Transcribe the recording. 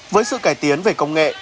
với sự cải tiến về công nghệ